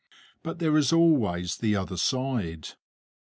But there is always the other side.